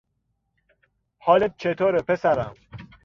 حالت چطوره، پسرم؟